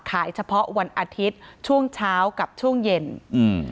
เฉพาะวันอาทิตย์ช่วงเช้ากับช่วงเย็นอืม